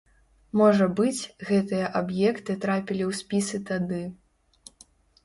Можа быць, гэтыя аб'екты трапілі ў спісы тады.